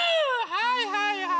はいはいはい。